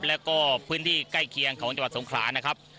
แล้วก็พื้นที่ใกล้เคียงของจังหวัดสงขลานะครับ